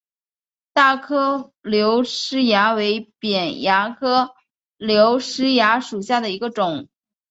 大颗瘤虱蚜为扁蚜科颗瘤虱蚜属下的一个种。